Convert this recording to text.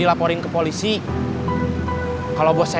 is henang ber boneka tere